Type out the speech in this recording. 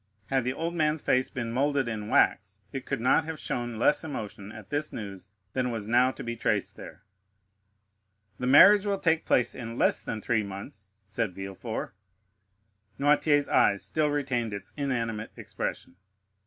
Had the old man's face been moulded in wax it could not have shown less emotion at this news than was now to be traced there. "The marriage will take place in less than three months," said Villefort. Noirtier's eye still retained its inanimate expression.